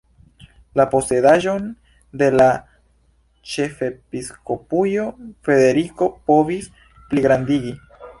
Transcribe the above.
La posedaĵon de la ĉefepiskopujo Frederiko povis pligrandigi.